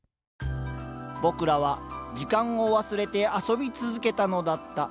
僕らは時間を忘れて遊び続けたのだった。